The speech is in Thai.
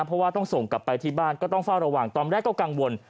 เพราะว่าต้องส่งกลับไปที่บ้านก็ต้องเฝ้าระวังตอนแรกก็กังวล